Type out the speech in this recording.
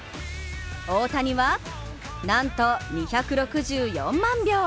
大谷は、なんと２６４万票！